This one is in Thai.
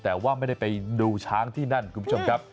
แต่ว่าไม่ได้ไปดูช้างที่นั่นคุณผู้ชมครับ